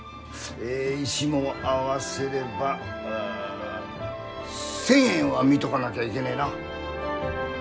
え石も合わせればう１，０００円は見とかなきゃいけねえな。